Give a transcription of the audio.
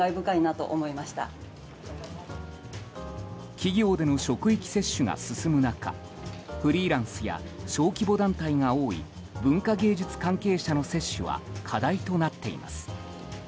企業での職域接種が進む中フリーランスや小規模団体が多い文化芸術関係者の接種は課題となっています。